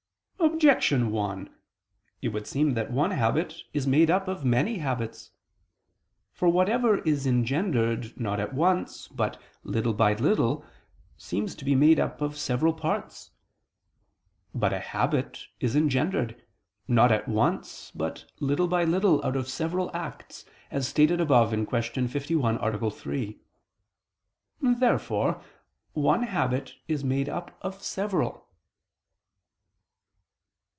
Objection 1: It would seem that one habit is made up of many habits. For whatever is engendered, not at once, but little by little, seems to be made up of several parts. But a habit is engendered, not at once, but little by little out of several acts, as stated above (Q. 51, A. 3). Therefore one habit is made up of several.